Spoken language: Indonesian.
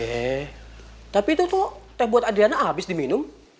eh tapi itu tuh teh buat adriana habis diminum